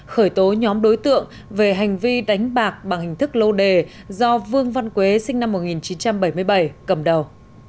khởi tố nhóm đối tượng về hành vi đánh bạc bằng hình thức lô đề do vương văn quế sinh năm một nghìn chín trăm bảy mươi bảy cầm đầu